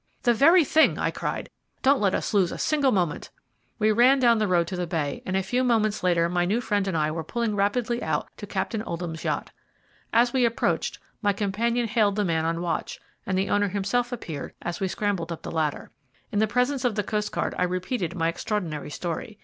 "The very thing!" I cried. "Don't let us lose a single moment." We ran down the road to the bay, and a few moments later my new friend and I were pulling rapidly out to Captain Oldham's yacht. As we approached my companion hailed the man on watch, and the owner himself appeared as we scrambled up the ladder. In the presence of the coastguard, I repeated my extraordinary story.